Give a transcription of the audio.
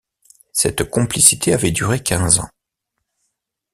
Cette complicité avait duré quinze ans.